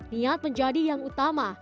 niat menjadi yang utama